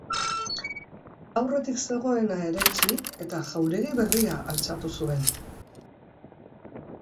Aurretik zegoena eraitsi eta jauregi berria altxatu zuen.